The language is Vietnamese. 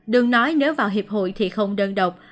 đừng nói nếu vào hiệp hội thì không đơn độc